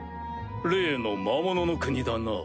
例の魔物の国だな。